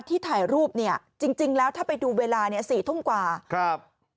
ถ่ายรูปเนี่ยจริงจริงแล้วถ้าไปดูเวลาเนี่ยสี่ทุ่มกว่าครับ